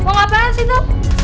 mau ngapain sih itu